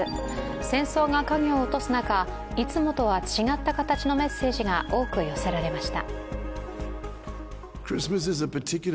戦争が影を落とす中、いつもとは違った形のメッセージが多く寄せられました。